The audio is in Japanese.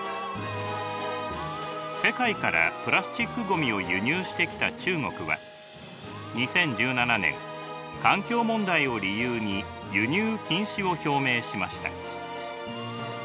世界からプラスチックごみを輸入してきた中国は２０１７年環境問題を理由に輸入禁止を表明しました。